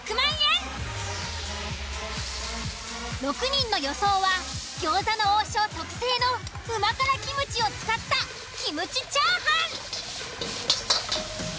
６人の予想は「餃子の王将」特製のうま辛キムチを使ったキムチ炒飯。